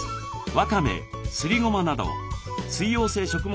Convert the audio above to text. わかめすりごまなども水溶性食物